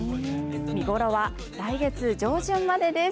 見頃は来月上旬までです。